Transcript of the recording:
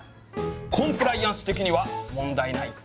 コンプライアンス的には問題ないって。